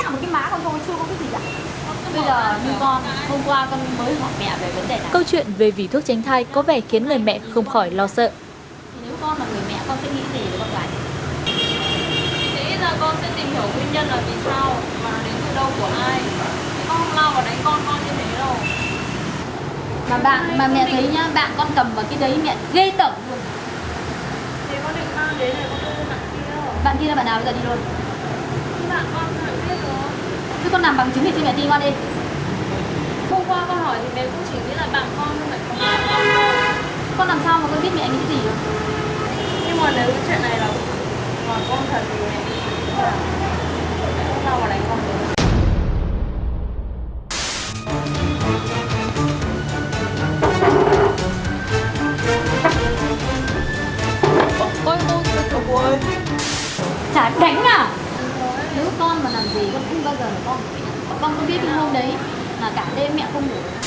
bọn con có biết nhưng mà hôm đấy cả đêm mẹ không ngủ